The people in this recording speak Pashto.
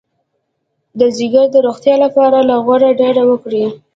د ځیګر د روغتیا لپاره له غوړو ډډه وکړئ